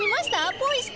ポイした。